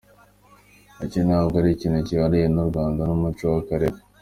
Iki ntabwo ari ikintu cyihariwe n’u Rwanda, ni umuco w’aka karere.